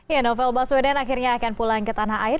ya novel baswedan akhirnya akan pulang ke tanah air